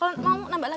mau nambah lagi